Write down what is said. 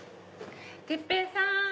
鉄平さん！